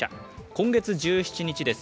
今月１７日です。